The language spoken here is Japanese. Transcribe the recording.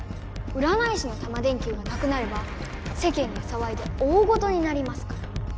うらない師のタマ電Ｑがなくなれば世間がさわいでおおごとになりますから。